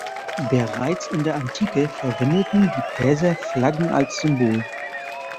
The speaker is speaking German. Bereits in der Antike verwendeten die Perser Flaggen als Symbol.